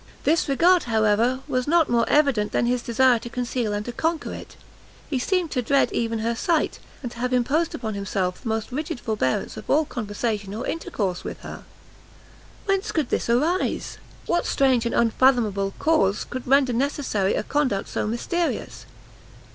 This regard, however, was not more evident than his desire to conceal and to conquer it; he seemed to dread even her sight, and to have imposed upon himself the most rigid forbearance of all conversation or intercourse with her. Whence could this arise? what strange and unfathomable cause could render necessary a conduct so mysterious?